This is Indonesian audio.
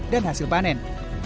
dan hasil panen